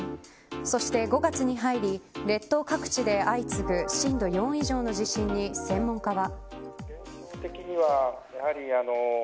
そして５月に入り列島各地で相次ぐ震度４以上の地震に専門家は。